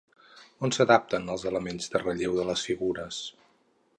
On s'adaptaven els elements de relleu de les figures?